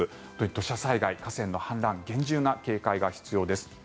土砂災害、河川の氾濫厳重な警戒が必要です。